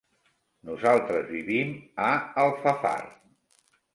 Nosaltres vivim a Alfafar.